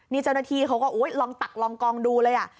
นี่เจ้าหน้าที่เขาก็ลองตักลองกองดูเลย